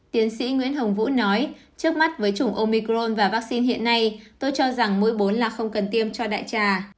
tiến sĩ nguyễn hồng vũ nói trước mắt với chủng omicron và vaccine hiện nay tôi cho rằng mũi bún là không cần tiêm cho đại trà